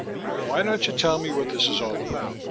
"Why don't you tell me what this is all about?"